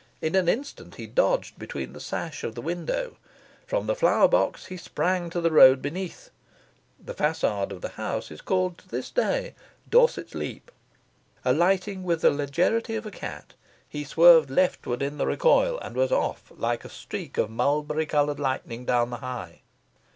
In an instant he dodged beneath the sash of the window. From the flower box he sprang to the road beneath. (The facade of the house is called, to this day, Dorset's Leap.) Alighting with the legerity of a cat, he swerved leftward in the recoil, and was off, like a streak of mulberry coloured lightning, down the High.